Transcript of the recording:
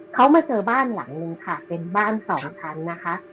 เขามาเจอบ้านหลังนึงค่ะเป็นบ้านสองชั้นนะคะ